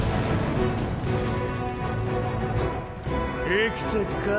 生きってっか？